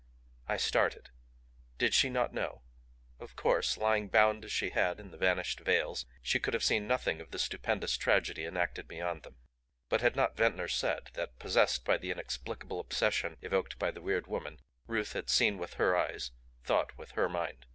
I started. Did she not know? Of course, lying bound as she had in the vanished veils, she could have seen nothing of the stupendous tragedy enacted beyond them but had not Ventnor said that possessed by the inexplicable obsession evoked by the weird woman Ruth had seen with her eyes, thought with her mind?